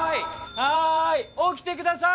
はい起きてください。